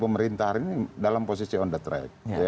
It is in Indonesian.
pemerintahan ini dalam posisi on the track